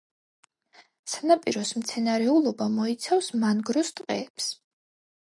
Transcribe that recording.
სანაპიროს მცენარეულობა მოიცავს მანგროს ტყეებს.